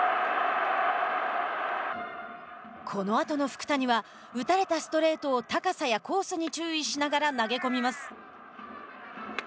このあとの福谷は打たれたストレートを高さやコースに注意しながら投げ込みます。